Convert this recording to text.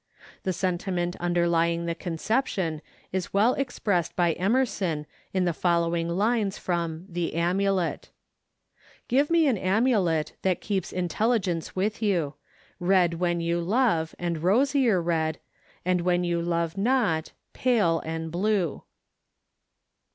The sentiment underlying the conception is well expressed by Emerson in the following lines from "The Amulet": Give me an amulet That keeps intelligence with you,— Red when you love, and rosier red, And when you love not, pale and blue.